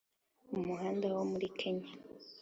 umuhanda wo muri kenya